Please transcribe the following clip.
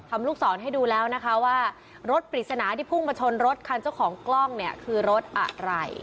ลูกศรให้ดูแล้วนะคะว่ารถปริศนาที่พุ่งมาชนรถคันเจ้าของกล้องเนี่ยคือรถอะไร